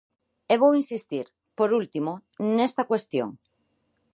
E vou insistir, por último, nesta cuestión.